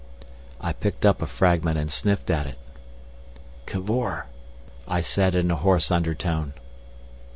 I picked up a fragment and sniffed at it. "Cavor," I said in a hoarse undertone.